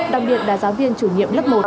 đồng biệt là giáo viên chủ nhiệm lớp một